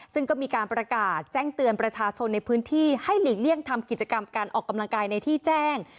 ซึ่งก็มีการประกาศแจ้งเตือนประชาชนในพื้นที่ให้หลีกเลี่ยงทำกิจกรรมการออกกำลังกายในที่แจ้ง